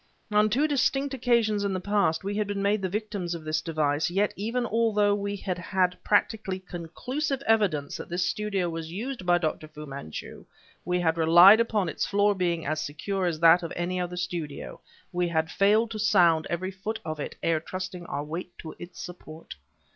On two distinct occasions in the past we had been made the victims of this device, yet even although we had had practically conclusive evidence that this studio was used by Dr. Fu Manchu, we had relied upon its floor being as secure as that of any other studio, we had failed to sound every foot of it ere trusting our weight to its support....